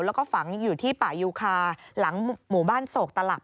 แล้วก็ฝังอยู่ที่ป่ายูคาหลังหมู่บ้านโศกตลับ